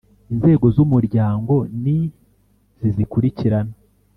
Inzego z umuryango ni zi zikurikira